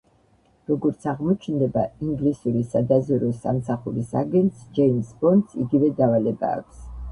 როგორც აღმოჩნდება, ინგლისური სადაზვერო სამსახურის აგენტს ჯეიმზ ბონდს იგივე დავალება აქვს.